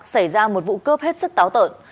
xảy ra một vụ cướp hết sức táo tợn